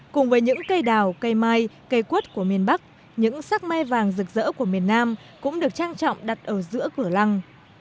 cùng với những cây đào cây mai cây quất của miền bắc những sắc mây vàng rực rỡ của miền nam cũng được trang trọng đặt ở giữa cửa lăng